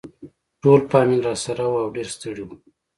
ټول فامیل راسره وو او ډېر ستړي وو.